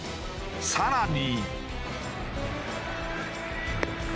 さらに。